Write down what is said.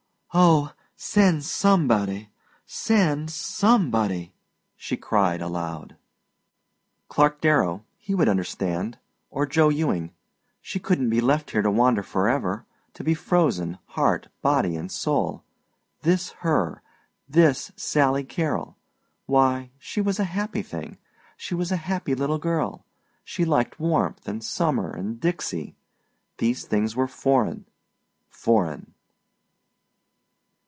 "Oh, send somebody send somebody!" she cried aloud. Clark Darrow he would understand; or Joe Ewing; she couldn't be left here to wander forever to be frozen, heart, body, and soul. This her this Sally Carrol! Why, she was a happy thing. She was a happy little girl. She liked warmth and summer and Dixie. These things were foreign foreign.